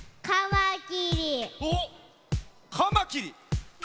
おっカマキリ。